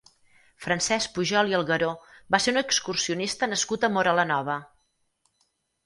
Francesc Pujol i Algueró va ser un excursionista nascut a Móra la Nova.